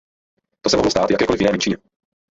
To se mohlo stát jakékoli jiné menšině.